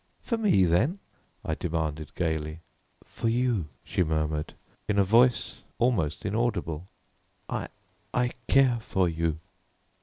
"For me, then?" I demanded gaily. "For you," she murmured in a voice almost inaudible. "I I care for you."